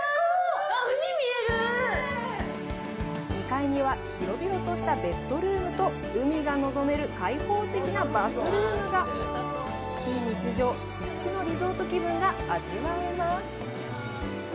２階には広々としたベッドルームと海がのぞめる開放的なバスルームが非日常至福のリゾート気分が味わえます